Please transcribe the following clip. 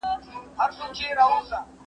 ته کورته راسه!